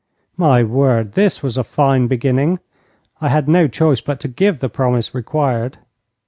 My word, this was a fine beginning! I had no choice but to give the promise required.